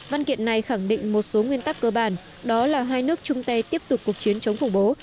văn kiện này khẳng định một số nguyên tắc cơ bản đó là hai nước chung tay tiếp tục cuộc chiến chống khủng bố